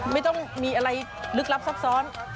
ไม่ต้องมีอะไรลึกลับซับซ้อน